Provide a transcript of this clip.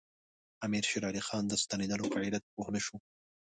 امیر شېر علي خان د ستنېدلو په علت پوه نه شو.